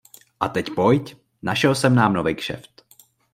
A teď pojď, našel jsem nám novej kšeft.